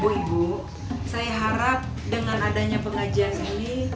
ibu ibu saya harap dengan adanya pengajian ini